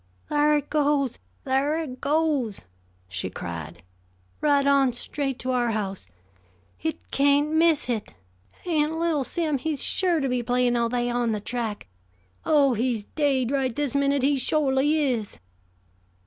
"Thar hit goes! Thar hit goes!" she cried. "Right on straight to our house! Hit kaint miss hit! And little Sim, he's sure to be playin' out thah on the track. Oh, he's daid right this minute, he shorely is!"